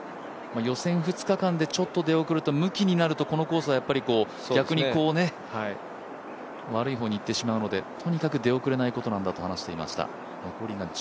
予選２日間でちょっと出遅れるとむきになると、このコースは逆に悪い方にいってしまうのでとにかく出遅れないことなんだと話していました。